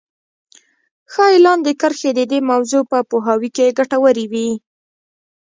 ښايي لاندې کرښې د دې موضوع په پوهاوي کې ګټورې وي.